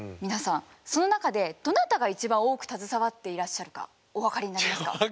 皆さんその中でどなたが一番多く携わっていらっしゃるかお分かりになりますか？